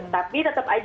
tapi tetap aja gitu ya